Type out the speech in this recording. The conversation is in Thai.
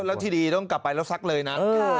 แล้วที่ดีต้องกลับไปแล้วซักเลยนะ